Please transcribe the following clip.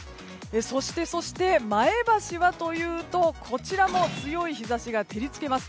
そしてそして、前橋はというとこちらも強い日差しが照り付けます。